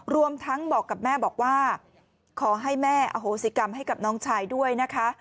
รวมทั้งบอกกับแม่บอกว่าขอให้แม่อโหสิกรรมให้กับน้องชายด้วยนะคะ